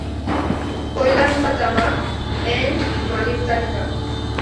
কৈলান বা তামা এং মালির তালিকা?